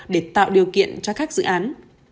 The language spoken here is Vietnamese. để tạo điều kiện cho các dự án